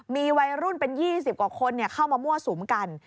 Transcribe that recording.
มีวัยรุ่นเป็น๒๐กว่าคนเข้ามามั่วสุมกัน